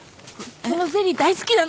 そのゼリー大好きなの。